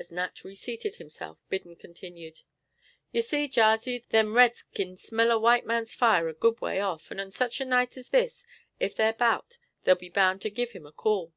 As Nat reseated himself, Biddon continued: "You see, Jarsey, them reds kin smell a white man's fire a good way off, and on sich a night as this, ef they're 'bout they'll be bound to give him a call.